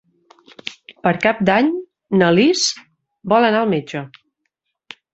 Per Cap d'Any na Lis vol anar al metge.